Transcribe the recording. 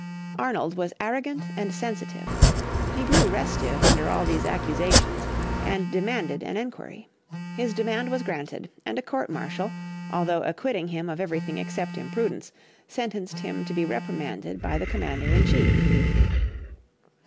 Arnold was arrogant and sensitive. He grew restive under all these accusations, and demanded an enquiry. His demand was granted, and a court martial, although acquitting him of everything except imprudence, sentenced him to be reprimanded by the Commander in chief.